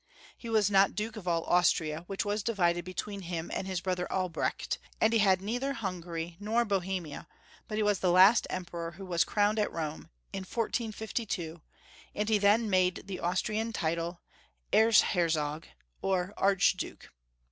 He was not Duke of all Austria, which was divided between him and his brother Albreeht, and he had neither Hungary not Bohemia, but he was the last Emperor who was crowned at Rome, in 1452, and he then made the Austrian title, Erzherzog, or Archduke.